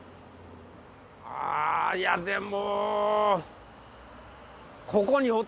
あいやでも。